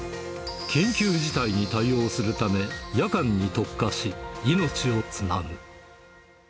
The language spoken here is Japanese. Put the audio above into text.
緊急事態に対応するため、夜間に特化し、命をつなぐ。